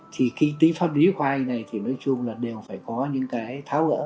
thì tính phân lý của ai này thì nói chung là đều phải có những cái tháo ngỡ